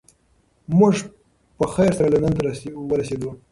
موږ په خیر سره لندن ته ورسیدو.